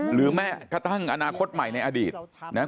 หรือแม้กระทั่งอนาคตใหม่ในอดีตนะครับ